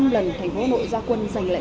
năm lần thành phố hà nội do quân dành lại